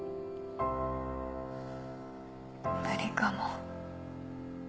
無理かも。